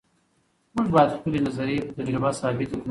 موږ باید خپلې نظریې په تجربه ثابتې کړو.